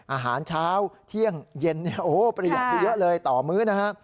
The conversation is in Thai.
อาหารเช้าเที่ยงเย็นเนี่ยโอ้ประหยัดไปเยอะเลยต่อมื้อนะฮะ